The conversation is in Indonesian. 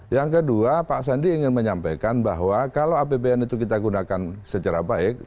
yang kedua pak sandi ingin menyampaikan bahwa kalau apbn itu kita gunakan secara baik